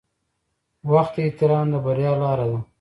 • وخت ته احترام د بریا لاره ده.